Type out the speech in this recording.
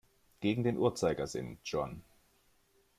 Gegen den Uhrzeigersinn, John.